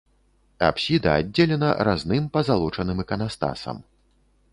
Апсіда аддзелена разным пазалочаным іканастасам.